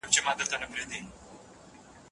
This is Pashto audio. ارغنداب د کندهار د میوې زانګو ده.